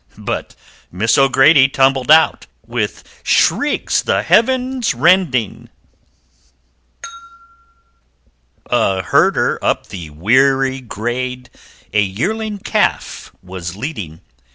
But Miss O'Grady tumbled out With shrieks the heavens rending A Herder up the weary grade A yearling Calf was leading.